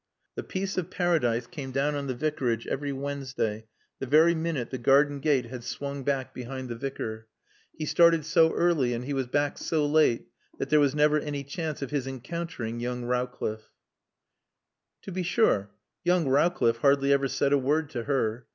The peace of Paradise came down on the Vicarage every Wednesday the very minute the garden gate had swung back behind the Vicar. He started so early and he was back so late that there was never any chance of his encountering young Rowcliffe. To be sure, young Rowcliffe hardly ever said a word to her.